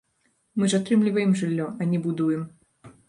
Мы ж атрымліваем жыллё, а не будуем.